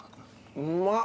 うまっ。